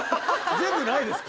全部ないですか？